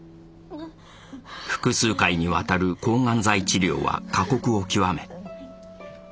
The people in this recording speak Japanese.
複数回にわたる抗がん剤治療は過酷を極め。